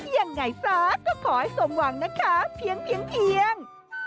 ยังไงซะก็ขอให้สมหวังนะคะเพียง